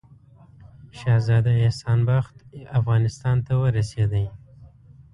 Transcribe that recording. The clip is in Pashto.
شهزاده احسان بخت افغانستان ته ورسېدی.